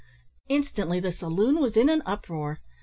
Instantly the saloon was in an uproar.